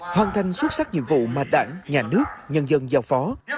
hoàn thành xuất sắc nhiệm vụ mà đảng nhà nước nhân dân giao phó